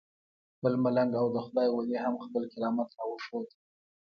بل ملنګ او د خدای ولی هم خپل کرامت راوښود.